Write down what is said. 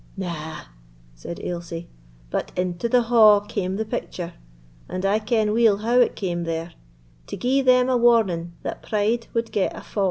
"Na," said Ailsie; "but into the ha' came the picture—and I ken weel how it came there—to gie them a warning that pride wad get a fa'.